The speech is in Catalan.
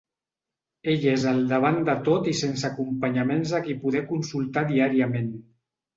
Ell és al davant de tot i sense acompanyaments a qui poder consultar diàriament.